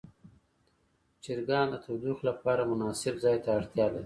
چرګان د تودوخې لپاره مناسب ځای ته اړتیا لري.